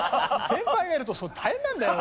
先輩がいると大変なんだよ。